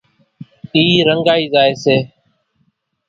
اِي رنڳائي زائي سي۔